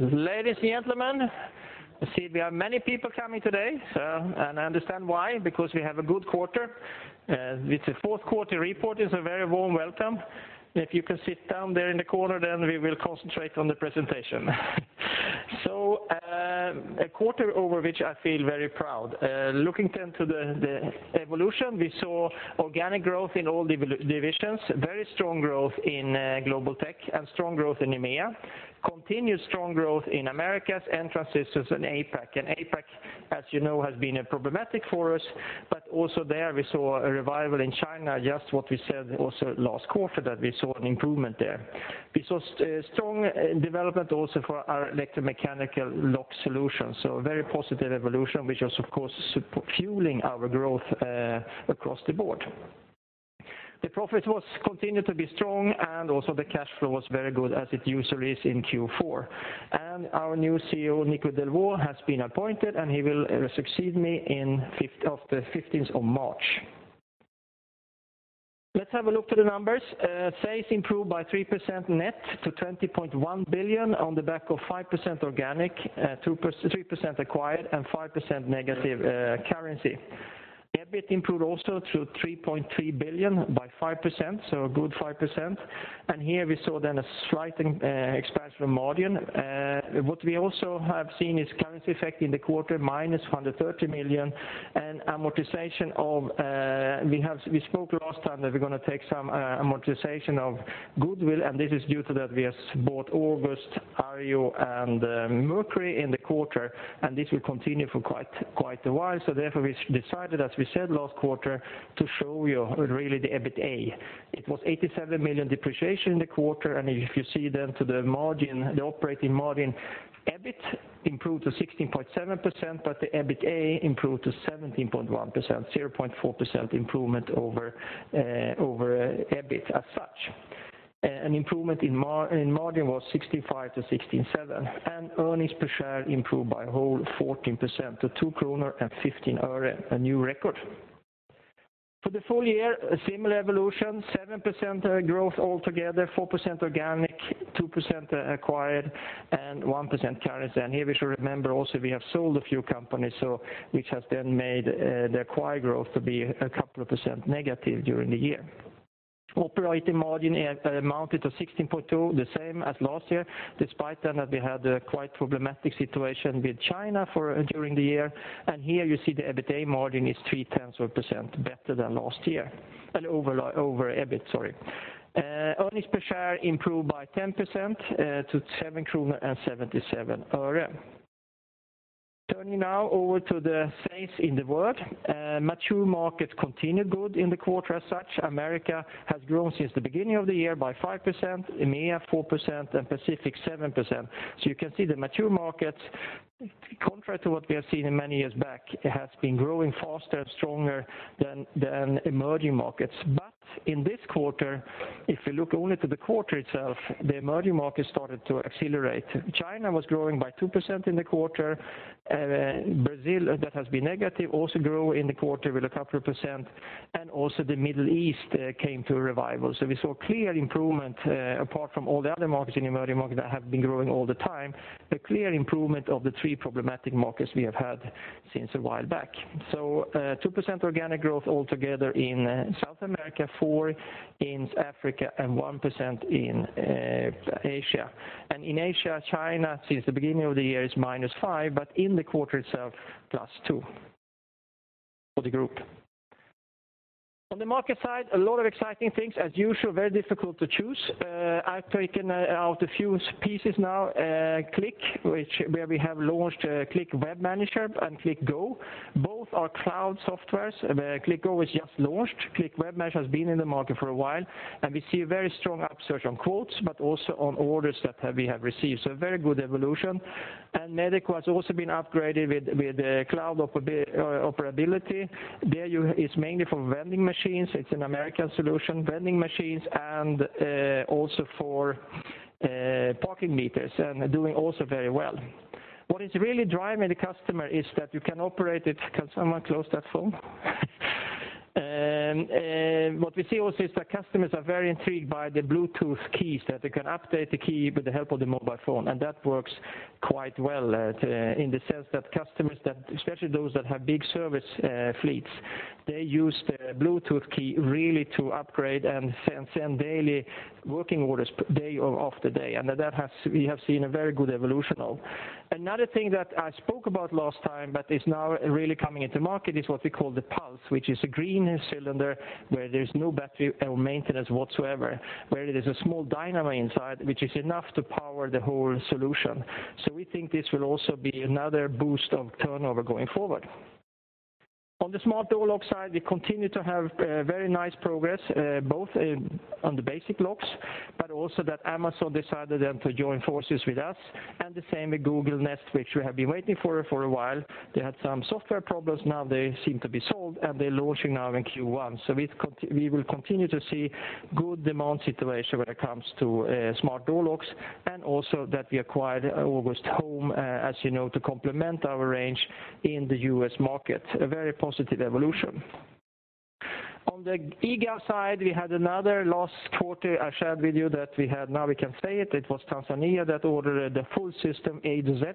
Ladies and gentlemen, I see we have many people coming today. I understand why, because we have a good quarter. With the fourth quarter report, is a very warm welcome. If you can sit down there in the corner, we will concentrate on the presentation. A quarter over which I feel very proud. Looking to the evolution, we saw organic growth in all divisions, very strong growth in Global Technologies, and strong growth in EMEA. Continued strong growth in Americas, Entrance Systems, and APAC. APAC, as you know, has been problematic for us, but also there we saw a revival in China, just what we said also last quarter that we saw an improvement there. We saw strong development also for our electromechanical lock solutions. A very positive evolution, which is, of course, fueling our growth across the board. The profit was continued to be strong and also the cash flow was very good as it usually is in Q4. Our new CEO, Nico Delvaux, has been appointed, and he will succeed me after 15th of March. Let's have a look to the numbers. Sales improved by 3% net to 20.1 billion on the back of 5% organic, 3% acquired, and 5% negative currency. EBIT improved also to 3.3 billion by 5%, a good 5%. Here we saw a slight expansion margin. What we also have seen is currency effect in the quarter minus 130 million. We spoke last time that we're going to take some amortization of goodwill, and this is due to that we have bought August, Arjo, and Mercury in the quarter, and this will continue for quite a while. Therefore, we decided, as we said last quarter, to show you really the EBITA. It was 87 million depreciation in the quarter, and if you see to the margin, the operating margin, EBIT improved to 16.7%, but the EBITA improved to 17.1%, 0.4% improvement over EBIT as such. An improvement in margin was 65 to 67. Earnings per share improved by a whole 14% to 2.15 kronor, a new record. For the full year, a similar evolution, 7% growth altogether, 4% organic, 2% acquired, and 1% currency. Here we should remember also we have sold a few companies, which has made the acquired growth to be a couple of percent negative during the year. Operating margin amounted to 16.2%, the same as last year, despite that we had a quite problematic situation with China during the year. Here you see the EBITA margin is three-tenths of a percent better than last year. Over EBIT, sorry. Earnings per share improved by 10% to 7.77 kronor. Turning over to the sales in the world. Mature markets continued good in the quarter as such. Americas has grown since the beginning of the year by 5%, EMEA 4%, and APAC 7%. You can see the mature markets, contrary to what we have seen many years back, have been growing faster and stronger than emerging markets. In this quarter, if we look only at the quarter itself, the emerging markets started to accelerate. China was growing by 2% in the quarter. Brazil, that has been negative, also grew in the quarter with a couple of percent, and also the Middle East came to a revival. We saw clear improvement apart from all the other markets in emerging markets that have been growing all the time, a clear improvement of the three problematic markets we have had since a while back. 2% organic growth altogether in South America, 4% in Africa, and 1% in Asia. In Asia, China, since the beginning of the year, is -5%, but in the quarter itself, +2% for the group. On the market side, a lot of exciting things. As usual, very difficult to choose. I've taken out a few pieces now. CLIQ, where we have launched CLIQ Web Manager and CLIQ Go. Both are cloud softwares. CLIQ Go has just launched. CLIQ Web Manager has been in the market for a while, and we see a very strong upsurge on quotes, but also on orders that we have received. A very good evolution. Medeco has also been upgraded with cloud operability. It's mainly for vending machines. It's a U.S. solution, vending machines, and also for parking meters, and doing also very well. What is really driving the customer is that you can operate it. Can someone close that phone? What we see also is that customers are very intrigued by the Bluetooth keys, that they can update the key with the help of the mobile phone, and that works quite well in the sense that customers, especially those that have big service fleets, they use the Bluetooth key really to upgrade and send daily working orders day after day. We have seen a very good evolution. Another thing that I spoke about last time but is now really coming into market is what we call the PULSE, which is a green cylinder where there's no battery or maintenance whatsoever, where there's a small dynamo inside, which is enough to power the whole solution. We think this will also be another boost of turnover going forward. On the smart door lock side, we continue to have very nice progress, both on the basic locks, but also that Amazon decided then to join forces with us, and the same with Google Nest, which we have been waiting for a while. They had some software problems. Now they seem to be solved, and they're launching now in Q1. We will continue to see good demand situation when it comes to smart door locks, and also that we acquired August Home, as you know, to complement our range in the U.S. market. A very positive evolution. On the e-gov side, we had another last quarter I shared with you that we had, now we can say it was Tanzania that ordered the full system A-to-Z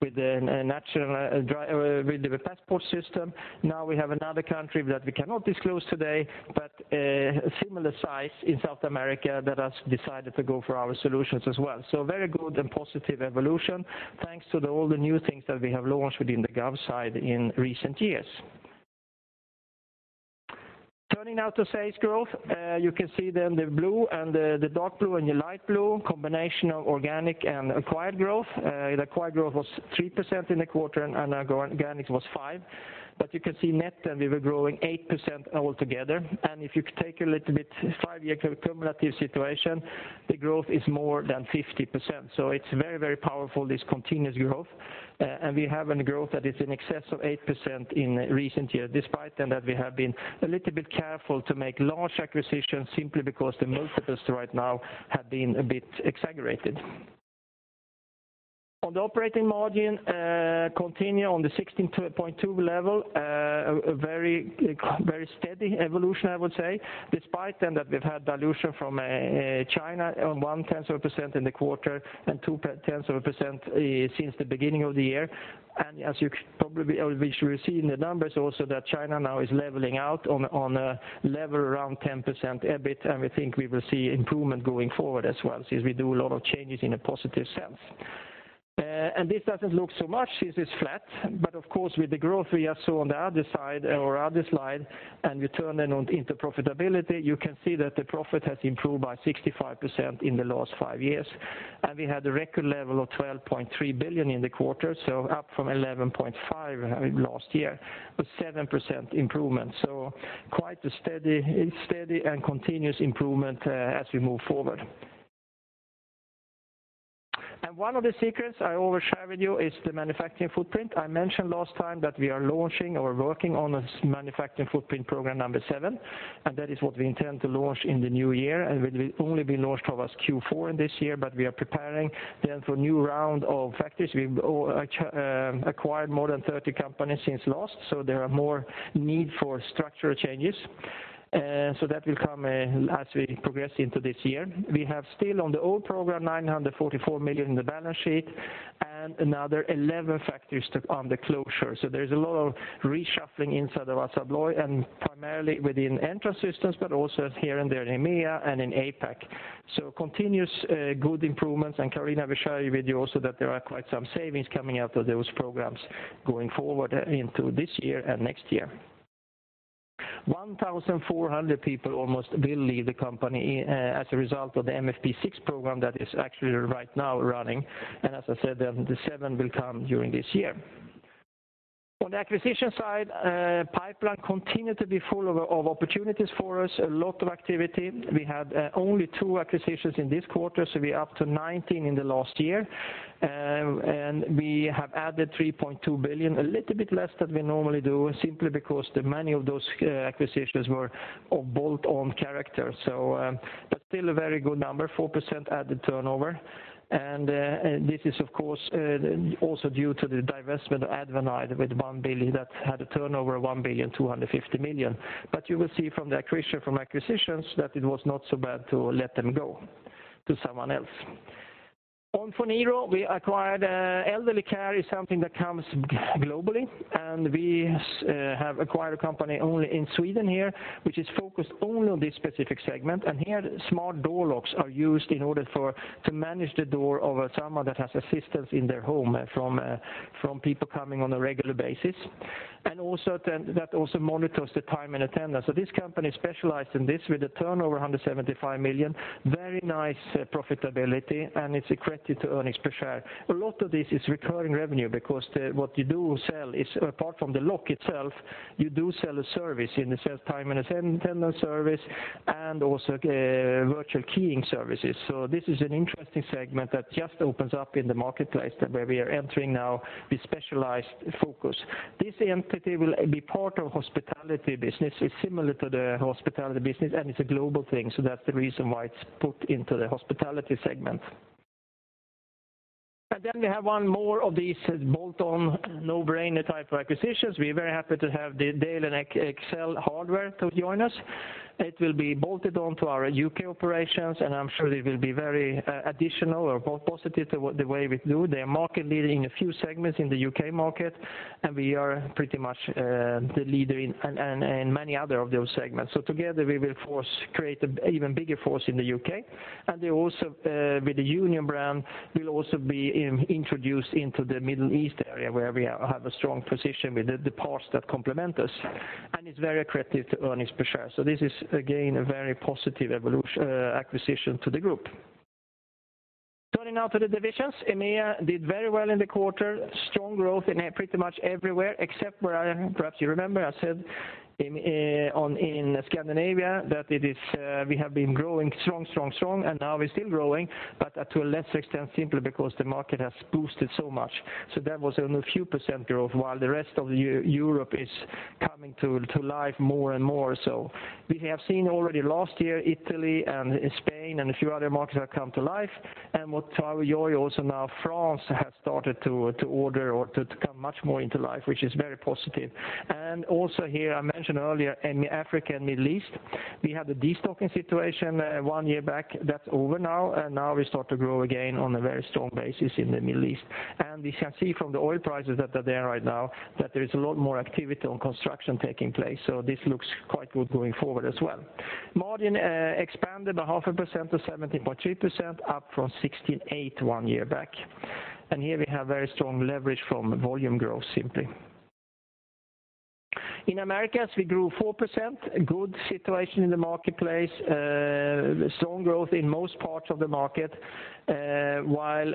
with the passport system. Now we have another country that we cannot disclose today, but a similar size in South America that has decided to go for our solutions as well. Very good and positive evolution, thanks to all the new things that we have launched within the gov side in recent years. Turning now to sales growth, you can see the blue and the dark blue and the light blue combination of organic and acquired growth. The acquired growth was 3% in the quarter and our organic was 5%. You can see net, we were growing 8% altogether. If you could take a little bit five-year cumulative situation, the growth is more than 50%. It's very, very powerful, this continuous growth. We have a growth that is in excess of 8% in recent years, despite then that we have been a little bit careful to make large acquisitions simply because the multiples right now have been a bit exaggerated. On the operating margin, continue on the 16.2 level, a very steady evolution, I would say. Despite then that we've had dilution from China on one tenth of a percent in the quarter and two tenths of a percent since the beginning of the year. As you probably, or we should receive in the numbers also that APAC now is leveling out on a level around 10% EBIT, we think we will see improvement going forward as well since we do a lot of changes in a positive sense. This doesn't look so much, this is flat, but of course with the growth we have saw on the other side or other slide, we turn then on into profitability, you can see that the profit has improved by 65% in the last five years. We had a record level of 12.3 billion in the quarter, so up from 11.5 last year, a 7% improvement. Quite a steady and continuous improvement as we move forward. One of the secrets I always share with you is the manufacturing footprint. I mentioned last time that we are launching or working on a manufacturing footprint program 7, that is what we intend to launch in the new year, will only be launched for us Q4 in this year, we are preparing then for a new round of factories. We've acquired more than 30 companies since last, there are more need for structural changes. That will come as we progress into this year. We have still on the old program, 944 million in the balance sheet and another 11 factories on the closure. There's a lot of reshuffling inside of Assa Abloy and primarily within Entrance Systems, but also here and there in EMEA and in APAC. Continuous good improvements. Carolina will share with you also that there are quite some savings coming out of those programs going forward into this year and next year. 1,400 people almost will leave the company as a result of the MFP6 program that is actually right now running. As I said, the 7 will come during this year. On the acquisition side, pipeline continue to be full of opportunities for us, a lot of activity. We had only two acquisitions in this quarter, we're up to 19 in the last year. We have added 3.2 billion, a little bit less than we normally do, simply because many of those acquisitions were of bolt-on character. Still a very good number, 4% added turnover. This is of course, also due to the divestment of AdvanIDe with 1 billion that had a turnover of 1.25 billion. You will see from the accretion from acquisitions that it was not so bad to let them go to someone else. On Phoniro, we acquired elderly care is something that comes globally. We have acquired a company only in Sweden here, which is focused only on this specific segment. Here, smart door locks are used in order to manage the door of someone that has assistance in their home from people coming on a regular basis. That also monitors the time and attendance. This company specialized in this with a turnover of 175 million, very nice profitability. It is accretive to earnings per share. A lot of this is recurring revenue because what you do sell is apart from the lock itself, you do sell a service in the sense time and attendance service and also virtual keying services. This is an interesting segment that just opens up in the marketplace where we are entering now with specialized focus. This entity will be part of hospitality business. It is similar to the hospitality business. It is a global thing, that is the reason why it is put into the hospitality segment. Then we have one more of these bolt-on no-brainer type of acquisitions. We are very happy to have the Dale & Excel Hardware to join us. It will be bolted on to our U.K. operations. I am sure it will be very additional or positive the way we do. They are market leading a few segments in the U.K. market. We are pretty much the leader in many other of those segments. Together we will create an even bigger force in the U.K. With the Union brand, we will also be introduced into the Middle East area where we have a strong position with the parts that complement us. It is very accretive to earnings per share. This is again, a very positive acquisition to the group. Turning now to the divisions, EMEA did very well in the quarter, strong growth in pretty much everywhere except where perhaps you remember I said In Scandinavia, we have been growing strong. Now we are still growing, to a lesser extent, simply because the market has boosted so much. That was only a few % growth while the rest of Europe is coming to life more and more. We have seen already last year, Italy, Spain, a few other markets have come to life. With our joy also now France has started to order or to come much more into life, which is very positive. Also here, I mentioned earlier, in Africa and Middle East, we had a de-stocking situation one year back. That is over now. Now we start to grow again on a very strong basis in the Middle East. We can see from the oil prices that are there right now that there is a lot more activity on construction taking place. This looks quite good going forward as well. Margin expanded a half % to 17.3%, up from 16.8% one year back. Here we have very strong leverage from volume growth, simply. In Americas, we grew 4%, a good situation in the marketplace. Strong growth in most parts of the market, while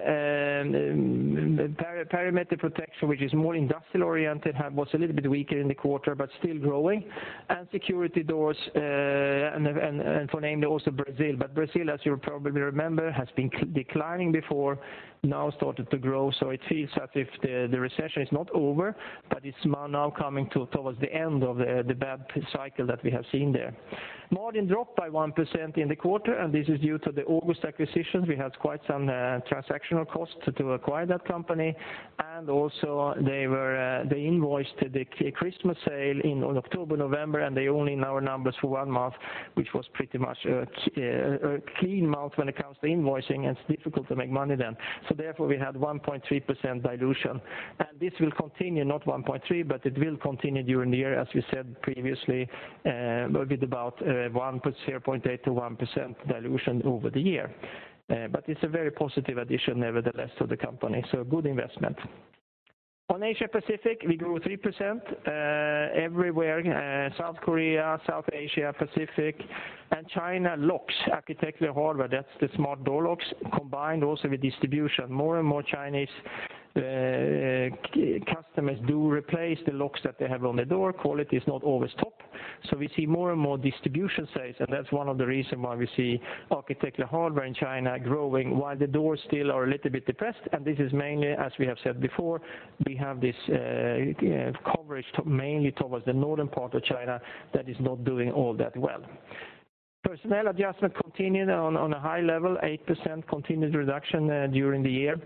perimeter protection, which is more industrial-oriented, was a little bit weaker in the quarter, but still growing. Security doors, and for name, also Brazil. Brazil, as you probably remember, has been declining before, now started to grow. It feels as if the recession is not over, but it's now coming towards the end of the bad cycle that we have seen there. Margin dropped by 1% in the quarter. This is due to the August acquisitions. We had quite some transactional costs to acquire that company. They invoiced the Christmas sale in October, November, and they only, in our numbers, for one month, which was pretty much a clean month when it comes to invoicing, and it's difficult to make money then. We had 1.3% dilution. This will continue, not 1.3%, but it will continue during the year, as we said previously, will be about 0.8%-1% dilution over the year. It's a very positive addition, nevertheless, to the company, so a good investment. On APAC, we grew 3% everywhere: South Korea, South Asia, Pacific, and China locks, architectural hardware, that's the smart door locks, combined also with distribution. More and more Chinese customers do replace the locks that they have on the door. Quality is not always top. We see more and more distribution sales, and that's one of the reason why we see architectural hardware in China growing while the doors still are a little bit depressed. This is mainly, as we have said before, we have this coverage mainly towards the northern part of China that is not doing all that well. Personnel adjustment continued on a high level, 8% continued reduction during the year.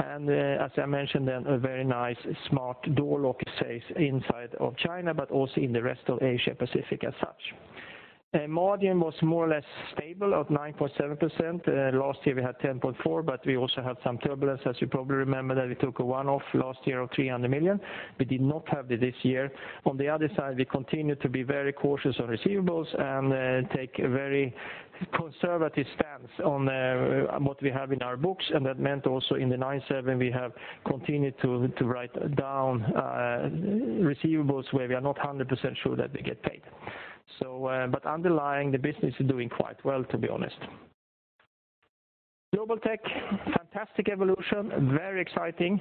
As I mentioned, a very nice smart door lock sales inside of China, but also in the rest of APAC as such. Margin was more or less stable at 9.7%. Last year we had 10.4%. We also had some turbulence, as you probably remember, that we took a one-off last year of 300 million. We did not have it this year. We continued to be very cautious on receivables and take a very conservative stance on what we have in our books, and that meant also in the 9.7 we have continued to write down receivables where we are not 100% sure that they get paid. Underlying, the business is doing quite well, to be honest. Global Technologies, fantastic evolution, very exciting.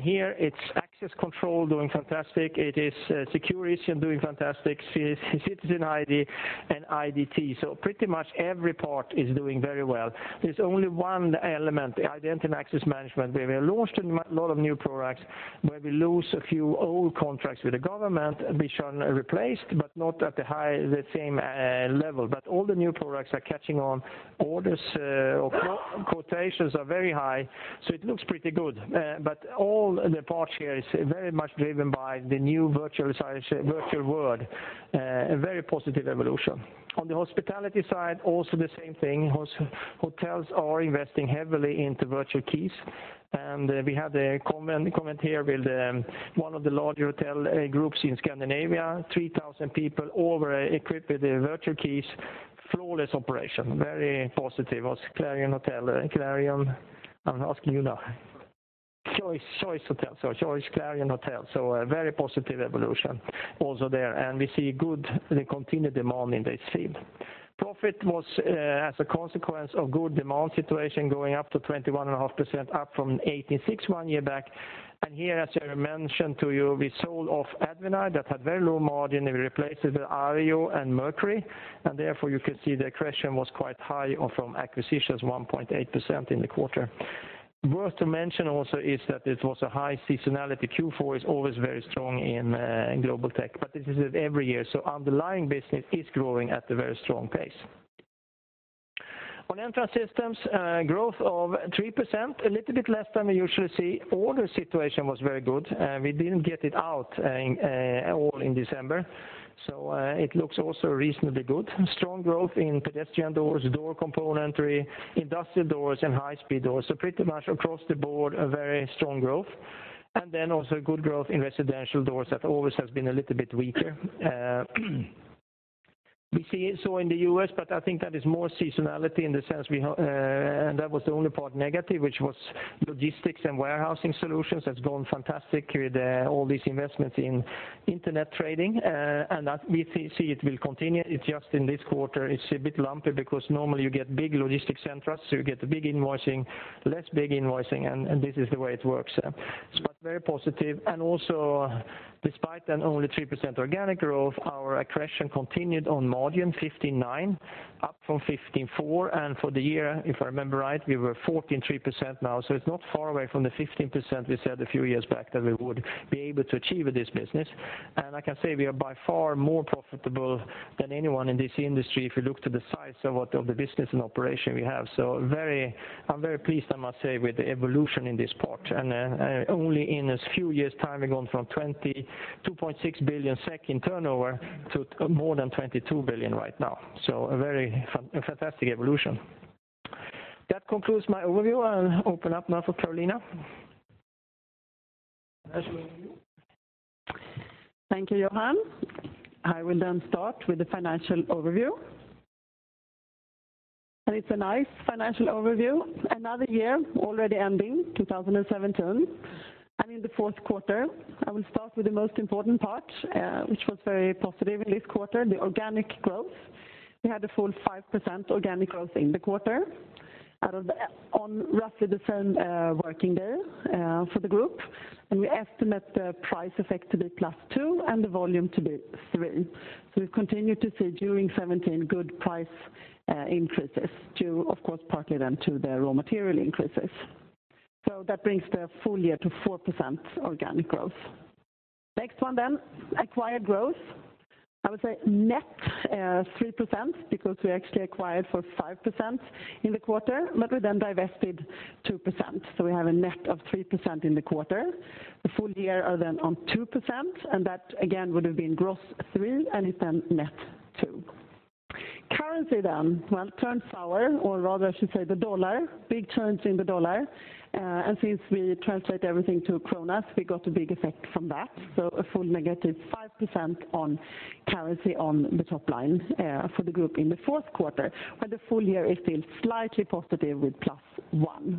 Here it's access control doing fantastic. It is Secure Issuance doing fantastic, citizen ID, and IDT. Pretty much every part is doing very well. There's only one element, the identity and access management, where we launched a lot of new products, where we lose a few old contracts with the government, which are replaced, but not at the same level. All the new products are catching on. Orders or quotations are very high. It looks pretty good. All the parts here is very much driven by the new virtual world. A very positive evolution. On the hospitality side, also the same thing. Hotels are investing heavily into virtual keys. We have the comment here with one of the larger hotel groups in Scandinavia, 3,000 people all were equipped with virtual keys, flawless operation. Very positive. Was it Clarion Hotel? Clarion? I'm asking you now. Choice. Choice Hotels, sorry. Choice Clarion Hotel. A very positive evolution also there. We see good continued demand in this field. Profit was, as a consequence of good demand situation, going up to 21.5%, up from 18.6% one year back. Here, as I mentioned to you, we sold off AdvanIDe that had very low margin, we replaced it with Arjo and Mercury Security. Therefore, you can see the accretion was quite high from acquisitions, 1.8% in the quarter. Worth to mention also is that it was a high seasonality. Q4 is always very strong in Global Technologies, but this is it every year, so underlying business is growing at a very strong pace. On Entrance Systems, growth of 3%, a little bit less than we usually see. Order situation was very good. We didn't get it out all in December, so it looks also reasonably good. Strong growth in pedestrian doors, door componentry, industrial doors, and high-speed doors. Pretty much across the board, a very strong growth. Also good growth in residential doors that always has been a little bit weaker. We see it so in the U.S., but I think that is more seasonality in the sense we have. That was the only part negative, which was logistics and warehousing solutions has gone fantastic with all these investments in internet trading. That we see it will continue. It's just in this quarter, it's a bit lumpy because normally you get big logistics centers, so you get less big invoicing, and this is the way it works. Very positive, and also despite an only 3% organic growth, our accretion continued on margin 15.9%, up from 15.4%. For the year, if I remember right, we were 14.3% now, so it's not far away from the 15% we said a few years back that we would be able to achieve with this business. I can say we are by far more profitable than anyone in this industry if you look to the size of the business and operation we have. I'm very pleased, I must say, with the evolution in this part. Only in a few years' time, we've gone from 22.6 billion in turnover to more than 22 billion right now. A very fantastic evolution. That concludes my overview. I'll open up now for Carolina. Thank you, Johan. I will then start with the financial overview. It's a nice financial overview. Another year already ending, 2017, and in the fourth quarter. I will start with the most important part, which was very positive in this quarter, the organic growth. We had a full 5% organic growth in the quarter on roughly the same working day for the group. We estimate the price effect to be +2% and the volume to be 3%. We've continued to see during 2017 good price increases due, of course, partly then to the raw material increases. That brings the full year to 4% organic growth. Next one, acquired growth. I would say net 3% because we actually acquired for 5% in the quarter, but we then divested 2%. We have a net of 3% in the quarter. The full year is then on 2%, and that again would have been gross 3% and it's then net 2%. Currency. Well, turns sour, or rather I should say the dollar, big turns in the dollar. Since we translate everything to krona, we got a big effect from that. A full -5% on currency on the top line for the group in the fourth quarter, where the full year is still slightly positive with +1%.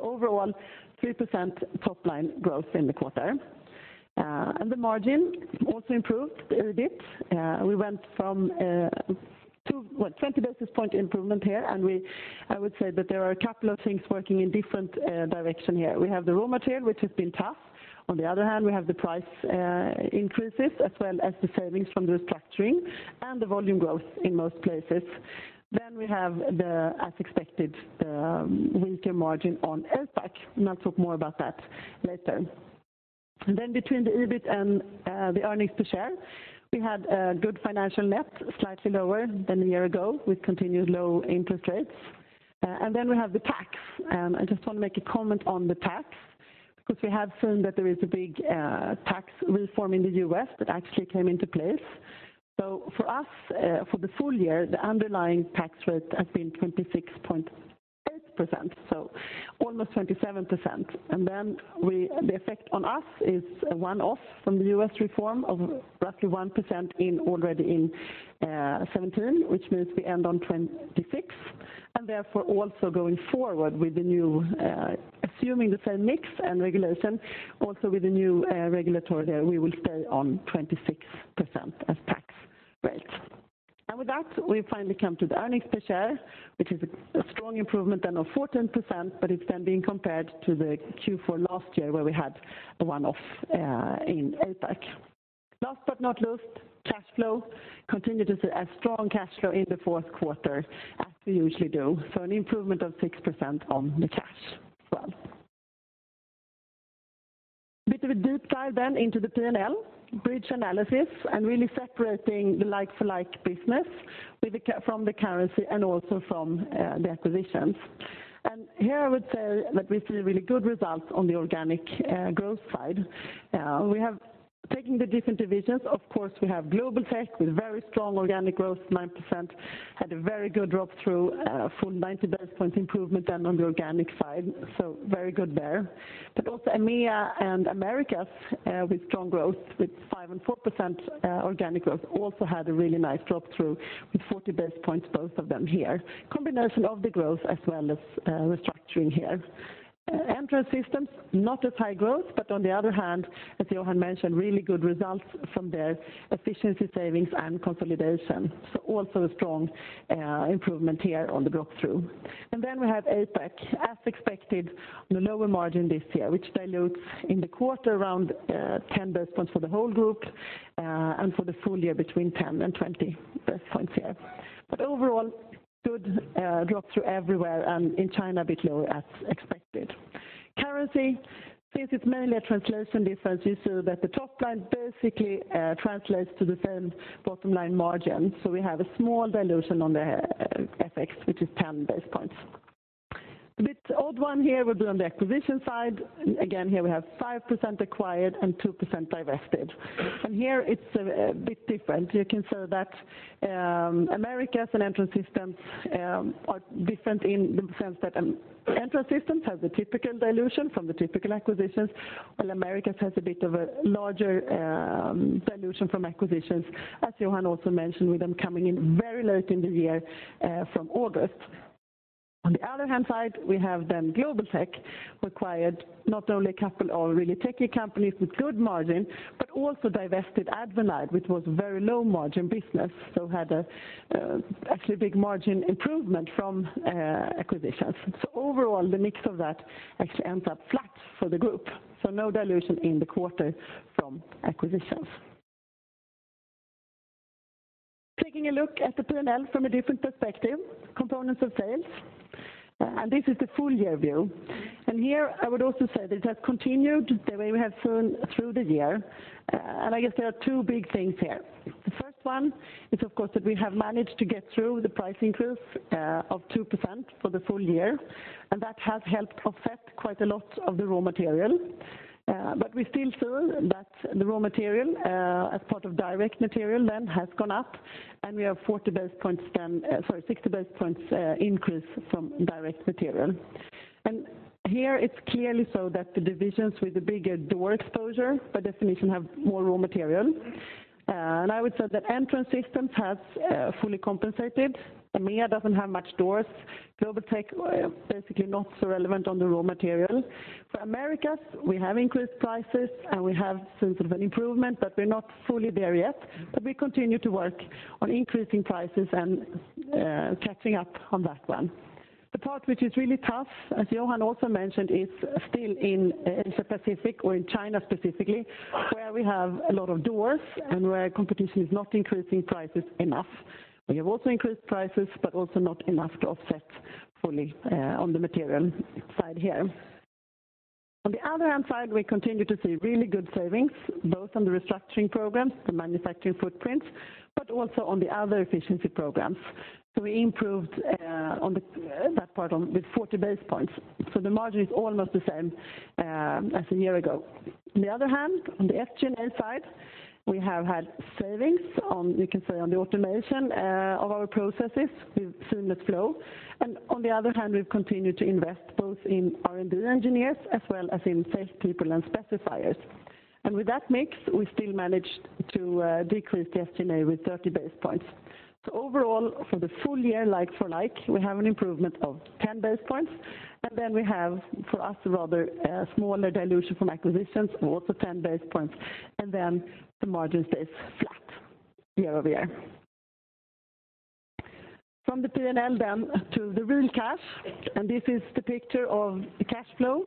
Overall, 3% top line growth in the quarter. The margin also improved a bit. We went from a 20 basis point improvement here, and I would say that there are a couple of things working in different directions here. We have the raw material, which has been tough. On the other hand, we have the price increases as well as the savings from the restructuring and the volume growth in most places. We have the, as expected, weaker margin on APAC, and I'll talk more about that later. Between the EBIT and the earnings per share, we had a good financial net, slightly lower than a year ago, with continued low interest rates. We have the tax. I just want to make a comment on the tax, because we have seen that there is a big tax reform in the U.S. that actually came into place. For us, for the full year, the underlying tax rate has been 26.8%, so almost 27%. The effect on us is a one-off from the U.S. reform of roughly 1% already in 2017, which means we end on 26%. Therefore also going forward, assuming the same mix and regulation, also with the new regulatory there, we will stay on 26% as tax rates. With that, we finally come to the earnings per share, which is a strong improvement then of 14%, but it's then being compared to the Q4 last year where we had a one-off in APAC. Last but not least, cash flow. Continue to see a strong cash flow in the fourth quarter as we usually do. An improvement of 6% on the cash as well. Bit of a deep dive into the P&L, bridge analysis, and really separating the like-for-like business from the currency and also from the acquisitions. Here I would say that we see really good results on the organic growth side. Taking the different divisions, of course, we have Global Technologies with very strong organic growth, 9%, had a very good drop through a full 90 basis point improvement on the organic side. Very good there. Also EMEA and Americas with strong growth with 5% and 4% organic growth also had a really nice drop through with 40 basis points, both of them here. Combination of the growth as well as restructuring here. Entrance Systems, not as high growth, but on the other hand, as Johan mentioned, really good results from their efficiency savings and consolidation. Also a strong improvement here on the drop through. We have APAC. As expected, the lower margin this year, which dilutes in the quarter around 10 basis points for the whole group, and for the full year between 10 and 20 basis points here. Overall, good drop through everywhere, and in China a bit lower as expected. Currency, since it's mainly a translation difference, you saw that the top line basically translates to the same bottom line margin. We have a small dilution on the FX, which is 10 basis points. The bit odd one here will be on the acquisition side. Again, here we have 5% acquired and 2% divested. Here it's a bit different. You can say that Americas and Entrance Systems are different in the sense that Entrance Systems has the typical dilution from the typical acquisitions, while Americas has a bit of a larger dilution from acquisitions, as Johan also mentioned, with them coming in very late in the year from August. On the other hand side, we have Global Technologies acquired not only a couple of really techy companies with good margin, but also divested AdvanIDe, which was very low margin business. Had actually a big margin improvement from acquisitions. Overall, the mix of that actually ends up flat for the group. No dilution in the quarter from acquisitions. Taking a look at the P&L from a different perspective, components of sales, and this is the full year view. Here I would also say that it has continued the way we have seen through the year. I guess there are two big things here. The first one is, of course, that we have managed to get through the price increase of 2% for the full year, and that has helped offset quite a lot of the raw material. We still feel that the raw material as part of direct material then has gone up, and we have 60 basis points increase from direct material. Here it's clearly so that the divisions with the bigger door exposure by definition have more raw material. I would say that Entrance Systems has fully compensated. EMEA doesn't have much doors. Global Technologies, basically not so relevant on the raw material. For Americas, we have increased prices, and we have seen sort of an improvement, but we're not fully there yet. We continue to work on increasing prices and catching up on that one. The part which is really tough, as Johan also mentioned, is still in Asia-Pacific or in China specifically, where we have a lot of doors and where competition is not increasing prices enough. We have also increased prices, also not enough to offset fully on the material side here. On the other hand, we continue to see really good savings, both on the restructuring programs, the manufacturing footprints, also on the other efficiency programs. We improved on that part with 40 basis points. The margin is almost the same as a year ago. On the other hand, on the SG&A side, we have had savings on, you can say, on the automation of our processes. We've seen that flow. On the other hand, we've continued to invest both in R&D engineers as well as in sales people and specifiers. With that mix, we still managed to decrease the SG&A with 30 basis points. Overall, for the full year like for like, we have an improvement of 10 basis points. We have, for us, a rather smaller dilution from acquisitions, also 10 basis points. The margin stays flat year-over-year. From the P&L then to the real cash, this is the picture of the cash flow.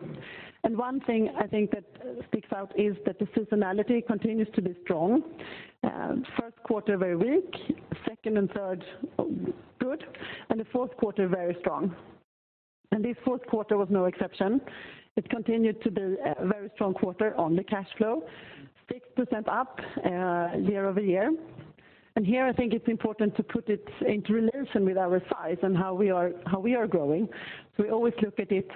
One thing I think that sticks out is that the seasonality continues to be strong. First quarter, very weak, second and third, good, the fourth quarter, very strong. This fourth quarter was no exception. It continued to be a very strong quarter on the cash flow, 6% up year-over-year. Here I think it's important to put it into relation with our size and how we are growing. We always look at it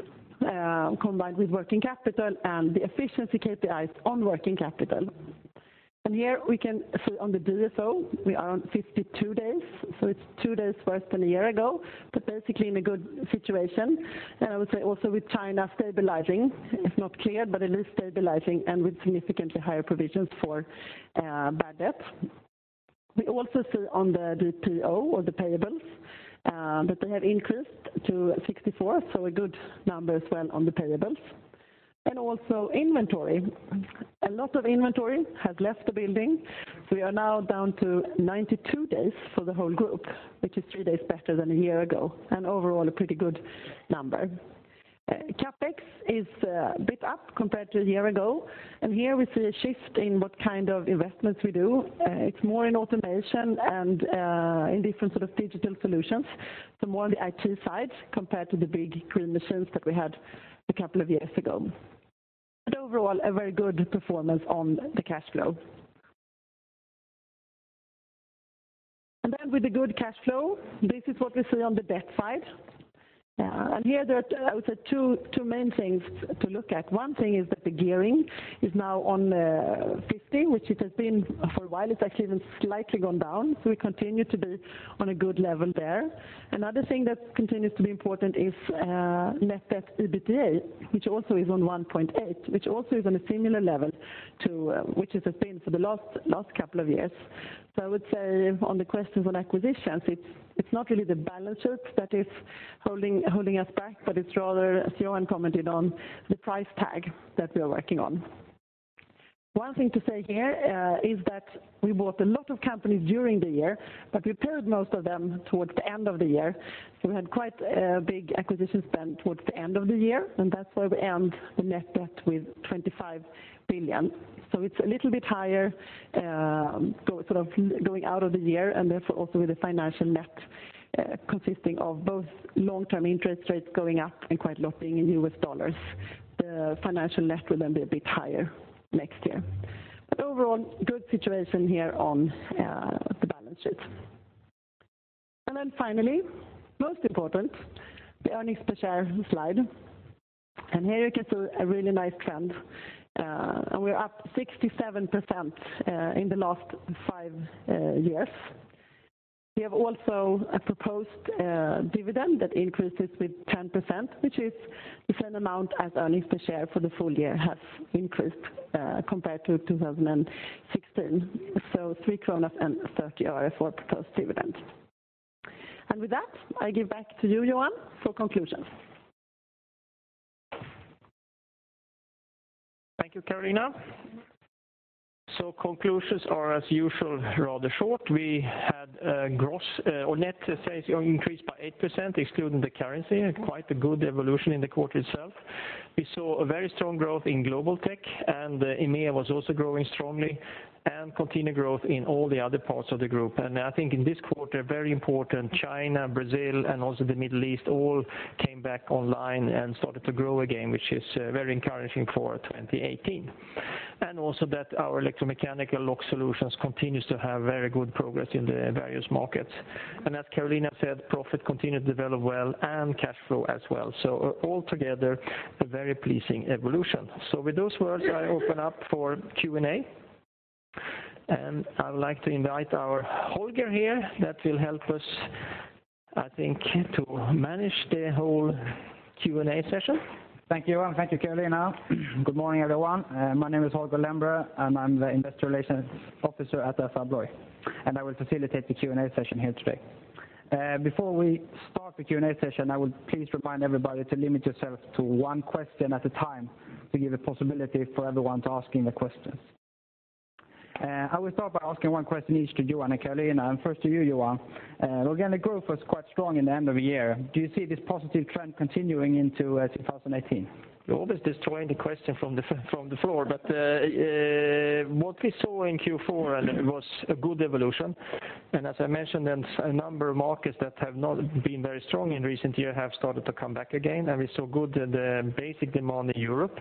combined with working capital and the efficiency KPIs on working capital. Here we can see on the DSO, we are on 52 days, it's two days worse than a year ago, basically in a good situation. I would say also with China stabilizing, it's not cleared, it is stabilizing with significantly higher provisions for bad debt. We also see on the PO or the payables that they have increased to 64, a good number as well on the payables. Also inventory. A lot of inventory has left the building. We are now down to 92 days for the whole group, which is three days better than a year ago, overall a pretty good number. CapEx is a bit up compared to a year ago, here we see a shift in what kind of investments we do. It's more in automation and in different sort of digital solutions. More on the IT side compared to the big green machines that we had a couple of years ago. Overall, a very good performance on the cash flow. With the good cash flow, this is what we see on the debt side. Here there are, I would say, two main things to look at. One thing is that the gearing is now on 50, which it has been for a while. It's actually even slightly gone down, we continue to be on a good level there. Another thing that continues to be important is net debt EBITDA, which also is on 1.8, which also is on a similar level to which it has been for the last couple of years. I would say on the questions on acquisitions, it's not really the balance sheet that is holding us back, but it's rather, as Johan commented on, the price tag that we're working on. One thing to say here is that we bought a lot of companies during the year, but we paired most of them towards the end of the year. We had quite a big acquisition spend towards the end of the year, and that's why we end the net debt with 25 billion. It's a little bit higher going out of the year, and therefore also with the financial net consisting of both long-term interest rates going up and quite a lot being in US dollars. The financial net will then be a bit higher next year. Overall, good situation here on the balance sheet. Finally, most important, the earnings per share slide. Here you can see a really nice trend. We're up 67% in the last five years. We have also a proposed dividend that increases with 10%, which is the same amount as earnings per share for the full year has increased compared to 2016. 3.30 kronor for proposed dividend. With that, I give back to you, Johan, for conclusions. Thank you, Carolina. Conclusions are, as usual, rather short. We had net sales increase by 8%, excluding the currency, quite a good evolution in the quarter itself. We saw a very strong growth in Global Technologies, EMEA was also growing strongly, and continued growth in all the other parts of the group. I think in this quarter, very important, China, Brazil, and also the Middle East all came back online and started to grow again, which is very encouraging for 2018. Also that our electromechanical lock solutions continues to have very good progress in the various markets. As Carolina said, profit continued to develop well, and cash flow as well. Altogether, a very pleasing evolution. With those words, I open up for Q&A. I would like to invite Holger here, that will help us, I think, to manage the whole Q&A session. Thank you, Johan. Thank you, Carolina. Good morning, everyone. My name is Holger Lembrér, and I'm the investor relations officer at Assa Abloy, and I will facilitate the Q&A session here today. Before we start the Q&A session, I would please remind everybody to limit yourself to one question at a time to give a possibility for everyone to asking the questions. I will start by asking one question each to Johan and Carolina, and first to you, Johan. Organic growth was quite strong in the end of the year. Do you see this positive trend continuing into 2018? You always destroy the question from the floor, but what we saw in Q4 was a good evolution. As I mentioned, a number of markets that have not been very strong in recent year have started to come back again, and we saw good basic demand in Europe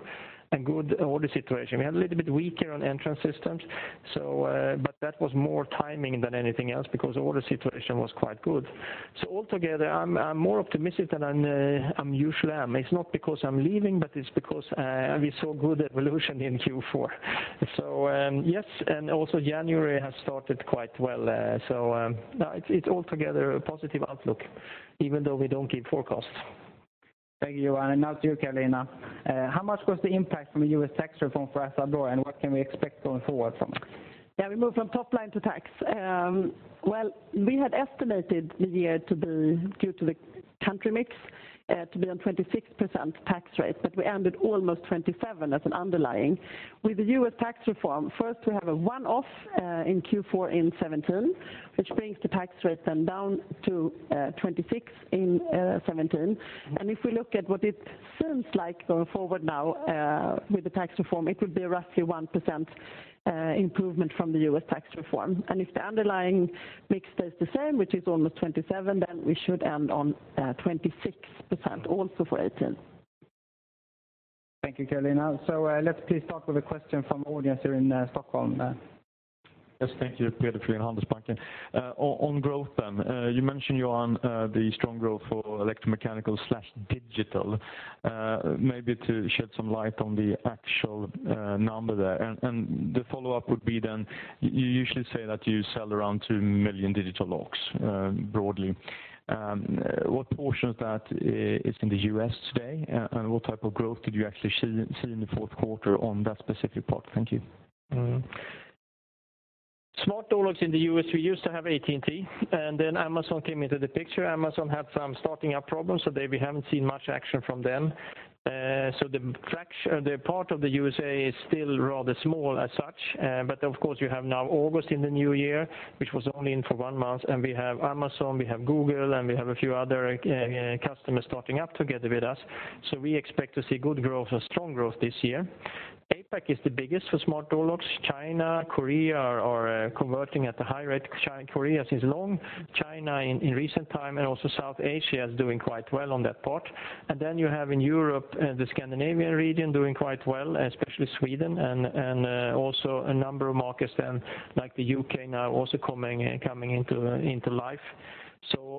and good order situation. We had a little bit weaker on Entrance Systems, but that was more timing than anything else because order situation was quite good. Altogether, I'm more optimistic than I usually am. It's not because I'm leaving, but it's because we saw good evolution in Q4. Yes, also January has started quite well. It's altogether a positive outlook, even though we don't give forecasts. Thank you, Johan, and now to you, Carolina. How much was the impact from the U.S. tax reform for Assa Abloy, and what can we expect going forward from it? Yeah, we move from top line to tax. Well, we had estimated the year, due to the country mix, to be on 26% tax rate, but we ended almost 27 as an underlying. With the U.S. tax reform, first, we have a one-off in Q4 in 2017, which brings the tax rate then down to 26 in 2017. If we look at what it seems like going forward now with the tax reform, it would be a roughly 1% improvement from the U.S. tax reform. If the underlying mix stays the same, which is almost 27, then we should end on 26% also for 2018. Thank you, Carolina. Let's please start with a question from audience here in Stockholm. Yes, thank you. Peder Frölén, Handelsbanken. On growth, you mentioned, Johan, the strong growth for electromechanical/digital. Maybe to shed some light on the actual number there. The follow-up would be, you usually say that you sell around 2 million digital locks broadly. What portion of that is in the U.S. today, and what type of growth did you actually see in the fourth quarter on that specific part? Thank you. Smart door locks in the U.S., we used to have AT&T. Amazon came into the picture. Amazon had some starting up problems. We haven't seen much action from them. The part of the U.S.A. is still rather small as such. Of course, you have now August in the new year, which was only in for one month. We have Amazon, we have Google, and we have a few other customers starting up together with us. We expect to see good growth or strong growth this year. APAC is the biggest for smart door locks. China, Korea are converting at a high rate. Korea since long, China in recent time, and also South Asia is doing quite well on that part. You have in Europe, the Scandinavian region doing quite well, especially Sweden, and also a number of markets then like the U.K. now also coming into life.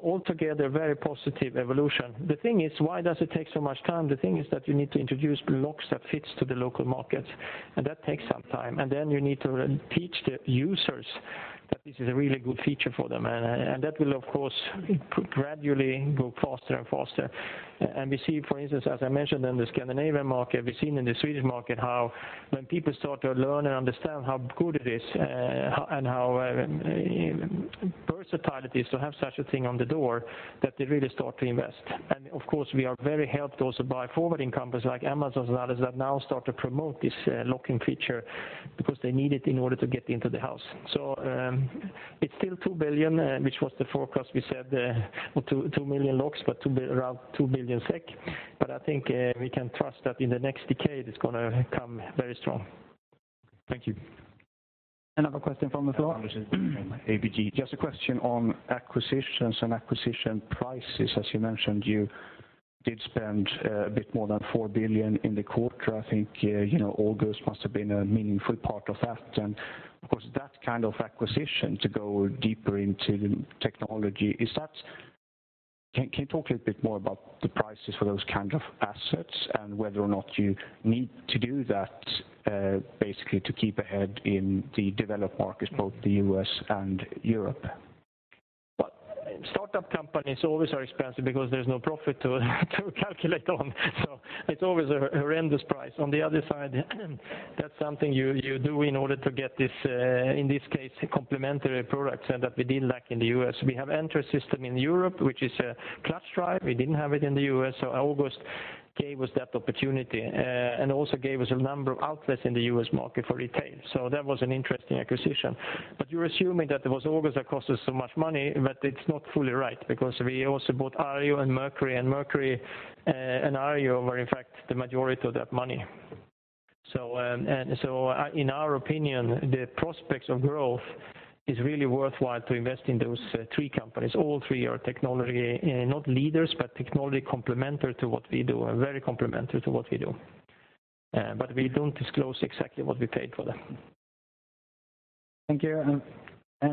Altogether, very positive evolution. The thing is, why does it take so much time? The thing is that you need to introduce locks that fits to the local markets. That takes some time. You need to teach the users that this is a really good feature for them. That will, of course, gradually go faster and faster. We see, for instance, as I mentioned in the Scandinavian market, we've seen in the Swedish market how when people start to learn and understand how good it is and how versatile it is to have such a thing on the door, that they really start to invest. Of course, we are very helped also by forwarding companies like Amazon and others that now start to promote this locking feature because they need it in order to get into the house. It's still 2 billion, which was the forecast we said, 2 million locks, but around 2 billion SEK. I think we can trust that in the next decade, it's going to come very strong. Thank you. Another question from the floor. Anders from ABG. Just a question on acquisitions and acquisition prices. As you mentioned, you did spend a bit more than 4 billion in the quarter. I think August must have been a meaningful part of that. Of course, that kind of acquisition to go deeper into technology, can you talk a little bit more about the prices for those kind of assets and whether or not you need to do that basically to keep ahead in the developed markets, both the U.S. and Europe? Well, startup companies always are expensive because there's no profit to calculate on, it's always a horrendous price. On the other side, that's something you do in order to get this, in this case, complementary products that we didn't lack in the U.S. We have entry system in Europe, which is a clutch drive. We didn't have it in the U.S., August gave us that opportunity, and also gave us a number of outlets in the U.S. market for retail. That was an interesting acquisition. You're assuming that it was August that cost us so much money, it's not fully right, because we also bought Arjo and Mercury, and Mercury and Arjo were in fact the majority of that money. In our opinion, the prospects of growth is really worthwhile to invest in those three companies. All three are technology, not leaders, but technology complementary to what we do, are very complementary to what we do. We don't disclose exactly what we paid for them. Thank you. I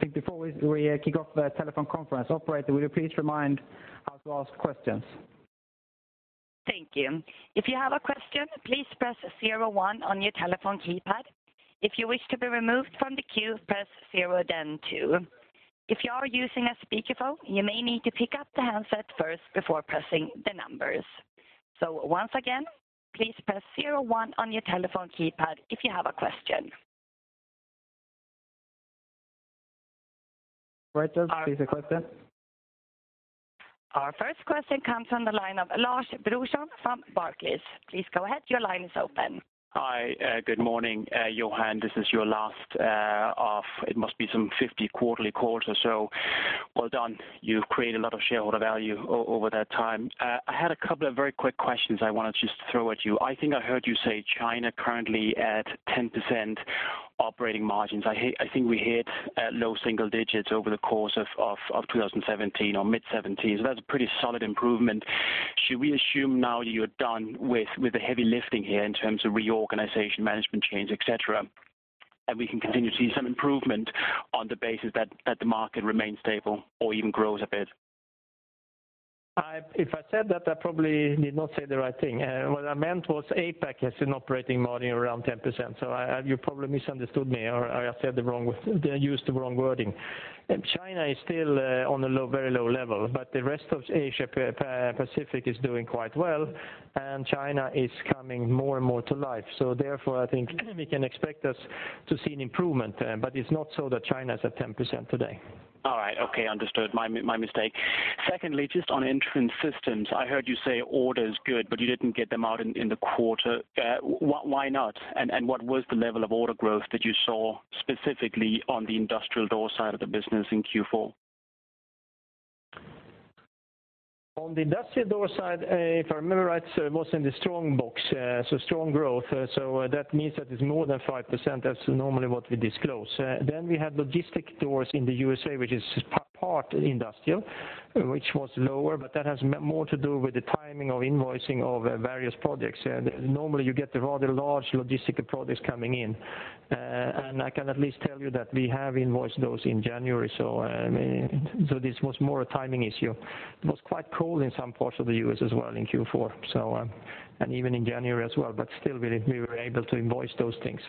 think before we kick off the telephone conference, operator, will you please remind how to ask questions? Thank you. If you have a question, please press 01 on your telephone keypad. If you wish to be removed from the queue, press 0 then 2. If you are using a speakerphone, you may need to pick up the handset first before pressing the numbers. Once again, please press 01 on your telephone keypad if you have a question. Right, please ask question. Our first question comes from the line of Lars Brorson from Barclays. Please go ahead. Your line is open. Hi. Good morning, Johan. This is your last, it must be some 50 quarterly calls or so. Well done. You've created a lot of shareholder value over that time. I had a couple of very quick questions I want to just throw at you. I think I heard you say China currently at 10% operating margins. I think we hit low single digits over the course of 2017 or mid 2017. That's a pretty solid improvement. Should we assume now that you're done with the heavy lifting here in terms of reorganization, management change, et cetera, and we can continue to see some improvement on the basis that the market remains stable or even grows a bit? If I said that, I probably did not say the right thing. What I meant was APAC has an operating margin around 10%, so you probably misunderstood me, or I used the wrong wording. China is still on a very low level, but the rest of Asia-Pacific is doing quite well, and China is coming more and more to life. Therefore, I think we can expect us to see an improvement, but it's not so that China is at 10% today. All right. Okay, understood. My mistake. Secondly, just on Entrance Systems, I heard you say order is good, but you didn't get them out in the quarter. Why not? What was the level of order growth that you saw specifically on the industrial door side of the business in Q4? On the industrial door side, if I remember right, it was in the strong box, strong growth, that means that it is more than 5%. That is normally what we disclose. We have logistic doors in the U.S.A., which is part industrial, which was lower, but that has more to do with the timing of invoicing of various projects. Normally you get the rather large logistical projects coming in, and I can at least tell you that we have invoiced those in January, this was more a timing issue. It was quite cold in some parts of the U.S. as well in Q4, and even in January as well, but still we were able to invoice those things.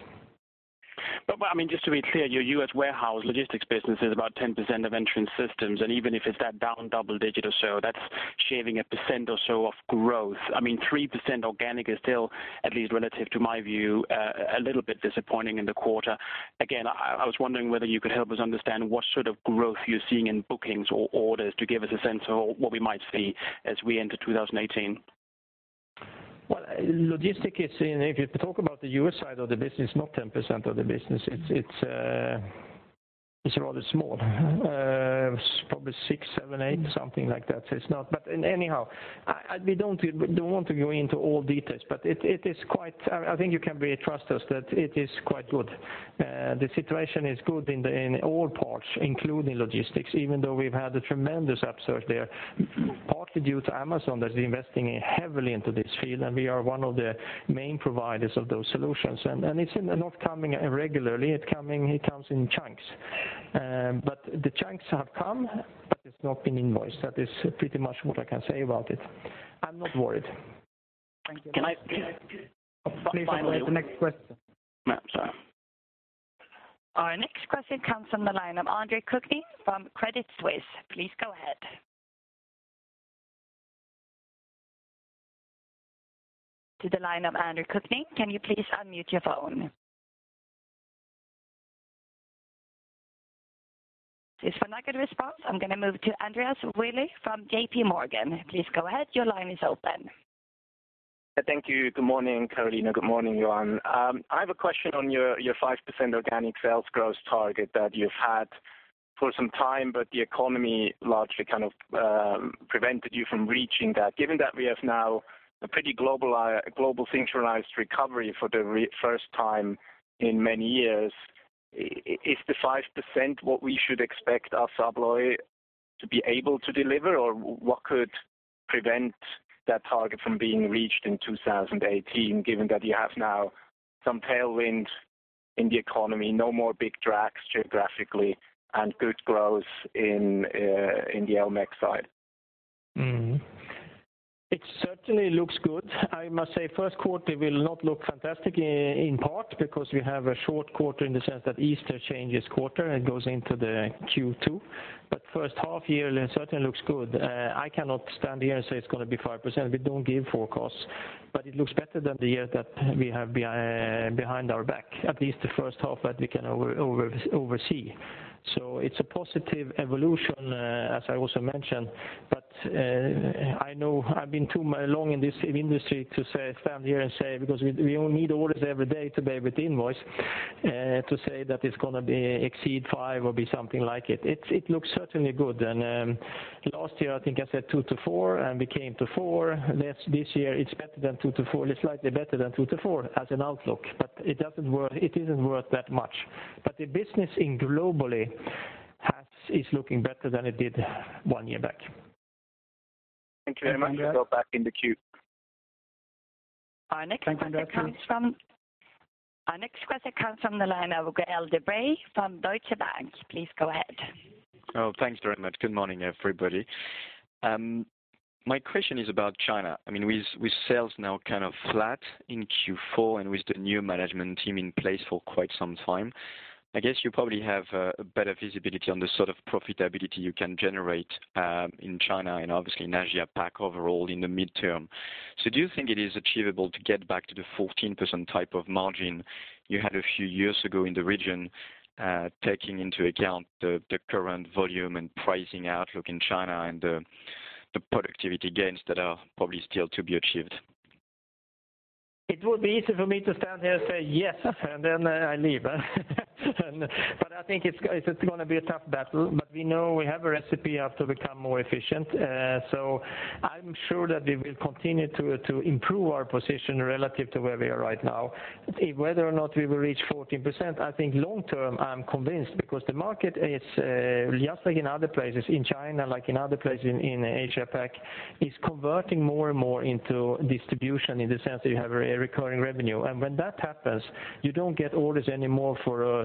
Just to be clear, your U.S. warehouse logistics business is about 10% of Entrance Systems, and even if it is that down double-digit or so, that is shaving 1% or so of growth. 3% organic is still, at least relative to my view, a little bit disappointing in the quarter. Again, I was wondering whether you could help us understand what sort of growth you are seeing in bookings or orders to give us a sense of what we might see as we enter 2018. Logistic is, if you talk about the U.S. side of the business, not 10% of the business, it is rather small. Probably six, seven, eight, something like that. Anyhow, we don't want to go into all details, but I think you can trust us that it is quite good. The situation is good in all parts, including logistics, even though we have had a tremendous upsurge there, partly due to Amazon that is investing heavily into this field, and we are one of the main providers of those solutions. It is not coming regularly, it comes in chunks. The chunks have come, but it is not been invoiced. That is pretty much what I can say about it. I am not worried. Thank you. Please wait for the next question. I'm sorry. Our next question comes from the line of Andre Kukhnin from Credit Suisse. Please go ahead. To the line of Andre Kukhnin, can you please unmute your phone? Since we're not getting a response, I'm going to move to Andreas Willi from JP Morgan. Please go ahead. Your line is open. Thank you. Good morning, Carolina. Good morning, Johan. I have a question on your 5% organic sales growth target that you've had for some time, but the economy largely kind of prevented you from reaching that. Given that we have now a pretty global synchronized recovery for the first time in many years, is the 5% what we should expect Assa Abloy to be able to deliver, or what could prevent that target from being reached in 2018, given that you have now some tailwind in the economy, no more big drags geographically, and good growth in the electromechanical side? It certainly looks good. I must say, first quarter will not look fantastic in part because we have a short quarter in the sense that Easter changes quarter and goes into the Q2. First half year certainly looks good. I cannot stand here and say it's going to be 5%. We don't give forecasts. It looks better than the year that we have behind our back, at least the first half that we can oversee. It's a positive evolution, as I also mentioned, but I know I've been too long in this industry to stand here and say, because we only need orders every day to be able to invoice, to say that it's going to exceed 5% or be something like it. It looks certainly good, and last year, I think I said 2%-4%, and we came to 4%. This year it's slightly better than 2%-4% as an outlook, but it isn't worth that much. The business globally is looking better than it did one year back. Thank you very much. Go back in the queue. Our next question comes from the line of Gael de-Bray from Deutsche Bank. Please go ahead. Thanks very much. Good morning, everybody. My question is about China. With sales now kind of flat in Q4 and with the new management team in place for quite some time, I guess you probably have a better visibility on the sort of profitability you can generate in China and obviously in APAC overall in the midterm. Do you think it is achievable to get back to the 14%-type of margin you had a few years ago in the region, taking into account the current volume and pricing outlook in China and the productivity gains that are probably still to be achieved? It would be easy for me to stand here and say yes, and then I leave. I think it's going to be a tough battle, but we know we have a recipe how to become more efficient. I'm sure that we will continue to improve our position relative to where we are right now. Whether or not we will reach 14%, I think long term, I'm convinced because the market is, just like in other places, in China, like in other places in APAC, is converting more and more into distribution in the sense that you have a recurring revenue. When that happens, you don't get orders anymore for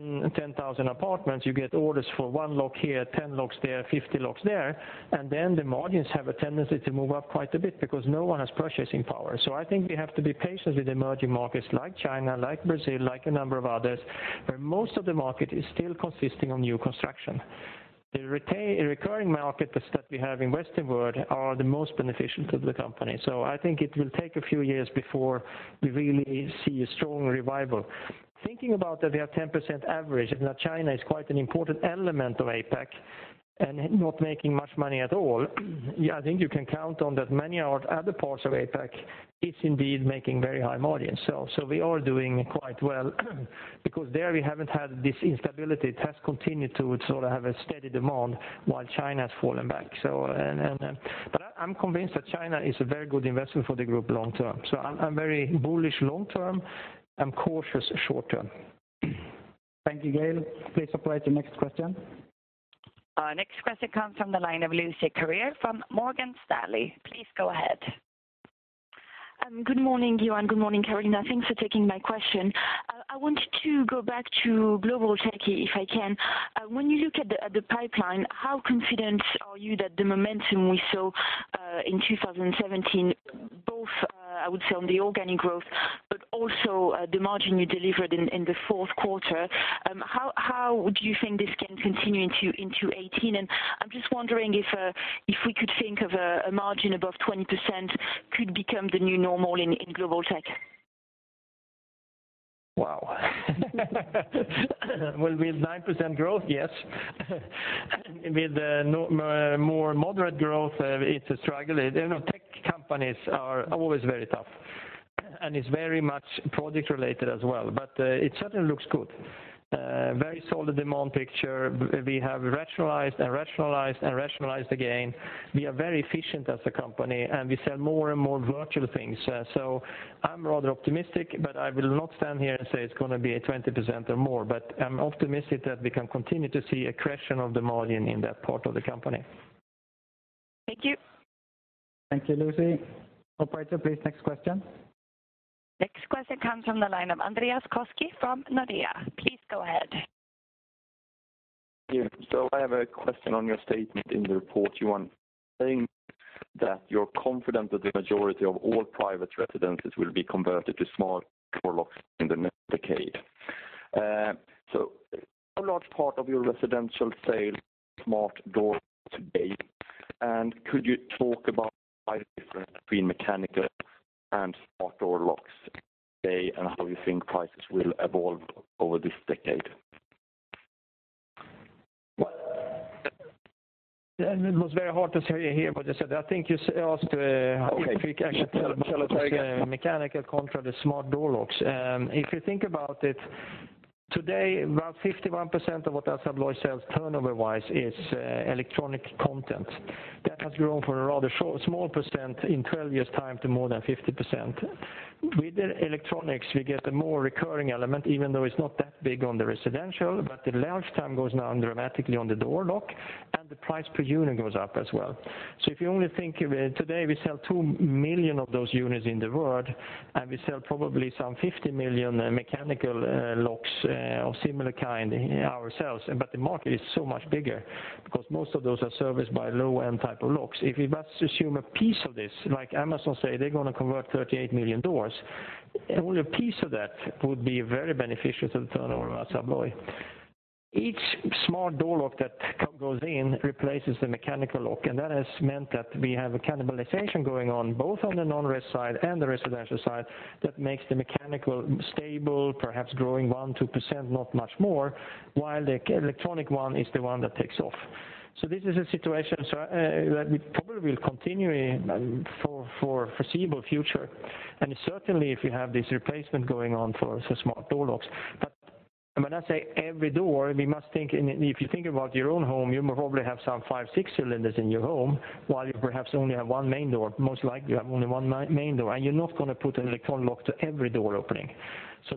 10,000 apartments, you get orders for one lock here, 10 locks there, 50 locks there, and then the margins have a tendency to move up quite a bit because no one has purchasing power. I think we have to be patient with emerging markets like China, like Brazil, like a number of others, where most of the market is still consisting of new construction. The recurring markets that we have in Western world are the most beneficial to the company. I think it will take a few years before we really see a strong revival. Thinking about that we have 10% average, and that China is quite an important element of APAC, and not making much money at all, I think you can count on that many of our other parts of APAC is indeed making very high margins. We are doing quite well because there we haven't had this instability. It has continued to have a steady demand while China has fallen back. I'm convinced that China is a very good investment for the group long term. I'm very bullish long term, and cautious short term. Thank you, Gael. Please Operator to next question. Our next question comes from the line of Lucie Carrier from Morgan Stanley. Please go ahead. Good morning, Johan. Good morning, Carolina. Thanks for taking my question. I wanted to go back to Global Technologies, if I can. When you look at the pipeline, how confident are you that the momentum we saw in 2017, both I would say on the organic growth, but also the margin you delivered in the fourth quarter, how do you think this can continue into 2018? I'm just wondering if we could think of a margin above 20% could become the new normal in Global Technologies. Wow. Well, with 9% growth, yes. With more moderate growth, it's a struggle. Tech companies are always very tough, it's very much project related as well, but it certainly looks good. Very solid demand picture. We have rationalized, and rationalized again. We are very efficient as a company, we sell more and more virtual things. I'm rather optimistic, but I will not stand here and say it's going to be a 20% or more. I'm optimistic that we can continue to see accretion of the margin in that part of the company. Thank you. Thank you, Lucie. Operator, please, next question. Next question comes from the line of Andreas Koski from Nordea. Please go ahead. Thank you. I have a question on your statement in the report, Johan, saying that you're confident that the majority of all private residences will be converted to smart door locks in the next decade. How large part of your residential sales are smart door today, and could you talk about the price difference between mechanical and smart door locks today, and how you think prices will evolve over this decade? Well, it was very hard to hear what you said. I think you asked if we could actually tell. Okay. Tell it again. The mechanical contra the smart door locks. If you think about it, today, about 51% of what Assa Abloy sells turnover-wise is electronic content. That has grown from a rather small percent in 12 years' time to more than 50%. With electronics, we get a more recurring element, even though it's not that big on the residential, but the lifetime goes now dramatically on the door lock, and the price per unit goes up as well. If you only think, today we sell 2 million of those units in the world, and we sell probably some 50 million mechanical locks of similar kind ourselves, but the market is so much bigger because most of those are serviced by low-end type of locks. If we must assume a piece of this, like Amazon say they're going to convert 38 million doors, only a piece of that would be very beneficial to the turnover of Assa Abloy. Each smart door lock that goes in replaces the mechanical lock, and that has meant that we have a cannibalization going on both on the non-res side and the residential side that makes the mechanical stable, perhaps growing 1%, 2%, not much more, while the electronic one is the one that takes off. This is a situation that we probably will continue for foreseeable future, and certainly if you have this replacement going on for smart door locks. When I say every door, if you think about your own home, you probably have some five, six cylinders in your home, while you perhaps only have one main door. Most likely you have only one main door, and you're not going to put an electronic lock to every door opening.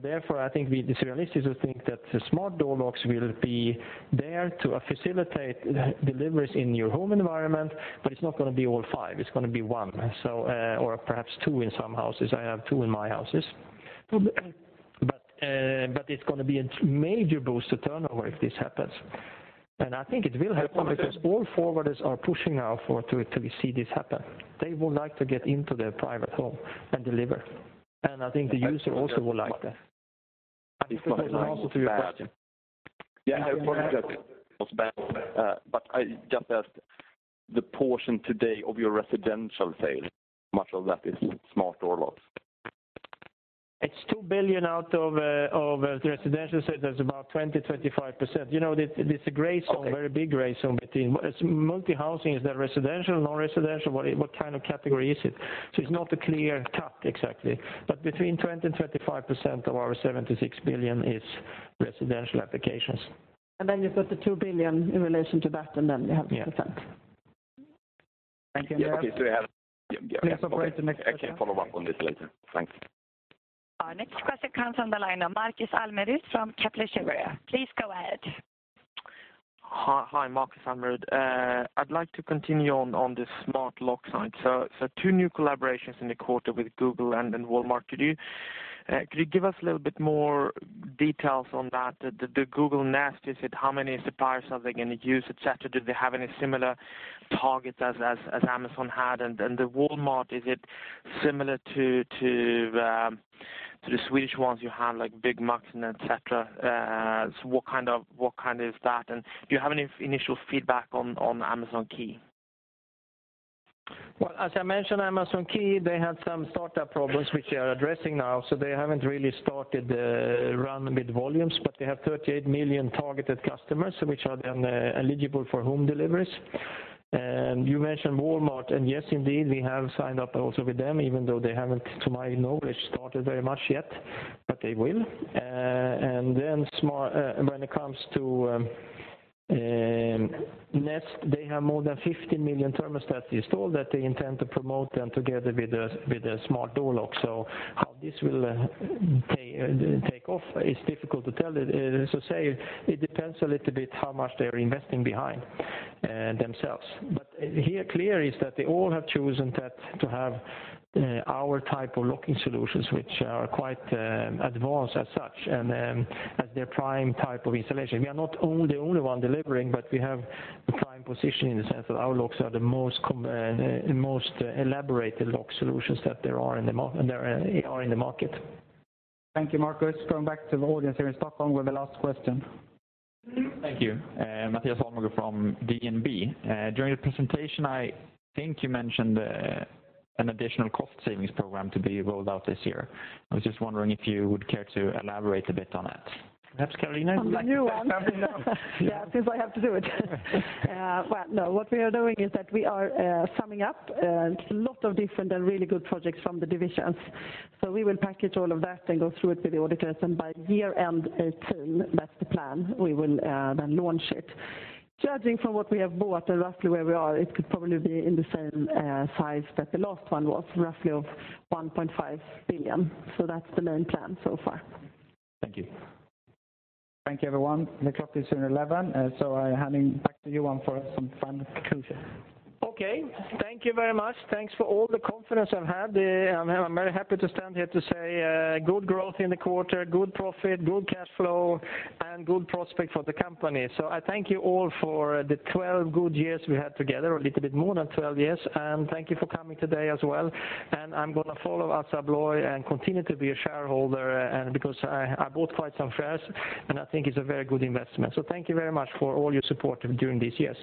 Therefore, I think it is realistic to think that smart door locks will be there to facilitate deliveries in your home environment, but it's not going to be all five. It's going to be one, or perhaps two in some houses. I have two in my houses. It's going to be a major boost to turnover if this happens, and I think it will happen because all forwarders are pushing now for till we see this happen. They would like to get into the private home and deliver, and I think the user also would like that. I think that answers your question. Yeah, I apologize it was bad. I just asked the portion today of your residential sales, much of that is smart door locks? It's 2 billion out of the residential, that's about 20%-25%. There's a gray zone, very big gray zone between Multi-housing, is that residential, non-residential? What kind of category is it? It's not a clear-cut exactly, but between 20% and 25% of our 76 billion is residential applications. You put the 2 billion in relation to that, you have the %. Yeah. Thank you. Okay. Please operate the next question. I can follow up on this later. Thanks. Our next question comes on the line from Markus Almerud from Kepler Cheuvreux. Please go ahead. Hi, Markus Almerud. I'd like to continue on the smart lock side. Two new collaborations in the quarter with Google and then Walmart. Could you give us a little bit more details on that? The Google Nest, how many suppliers are they going to use, et cetera? Do they have any similar targets as Amazon had? And Walmart, is it similar to the Swedish ones you have, like Byggmax and et cetera? What kind is that, and do you have any initial feedback on Amazon Key? Well, as I mentioned, Amazon Key, they had some startup problems, which they are addressing now, so they haven't really started running big volumes, but they have 38 million targeted customers, which are then eligible for home deliveries. You mentioned Walmart, yes, indeed, we have signed up also with them, even though they haven't, to my knowledge, started very much yet, but they will. When it comes to Nest, they have more than 50 million thermostats installed that they intend to promote them together with the smart door locks. How this will take off is difficult to tell. As I say, it depends a little bit how much they are investing behind themselves. Here clear is that they all have chosen to have our type of locking solutions, which are quite advanced as such, as their prime type of installation. We are not the only one delivering, but we have the prime position in the sense that our locks are the most elaborate lock solutions that there are in the market. Thank you, Markus. Going back to the audience here in Stockholm with the last question. Thank you. Mattias Holmberg from DNB. During the presentation, I think you mentioned an additional cost savings program to be rolled out this year. I was just wondering if you would care to elaborate a bit on it. Perhaps Carolina would like to? On the new one? Yeah, it seems I have to do it. Well, no. What we are doing is that we are summing up lots of different and really good projects from the divisions. We will package all of that and go through it with the auditors, and by year-end 2018, that's the plan, we will then launch it. Judging from what we have bought and roughly where we are, it could probably be in the same size that the last one was, roughly of 1.5 billion. That's the main plan so far. Thank you. Thank you, everyone. The clock is 11, I'm handing back to you, Johan, for some final conclusion. Okay. Thank you very much. Thanks for all the confidence I've had. I'm very happy to stand here to say good growth in the quarter, good profit, good cash flow, and good prospect for the company. I thank you all for the 12 good years we had together, a little bit more than 12 years, and thank you for coming today as well. I'm going to follow Assa Abloy and continue to be a shareholder because I bought quite some shares, and I think it's a very good investment. Thank you very much for all your support during these years.